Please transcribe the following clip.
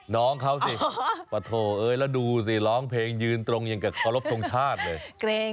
น้องเขาสิปะโถเอ้ยแล้วดูสิร้องเพลงยืนตรงอย่างกับเคารพทรงชาติเลย